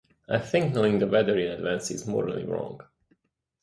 I think knowing the weather in advance is morally wrong.